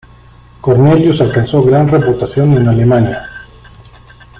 Cornelius alcanzó gran reputación en Alemania.